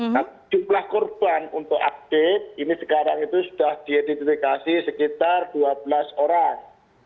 nah jumlah korban untuk update ini sekarang itu sudah diidentifikasi sekitar dua belas orang